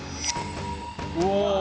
うわ。